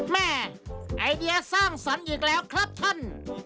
แม่ไอเดียสร้างสรรค์อีกแล้วครับท่าน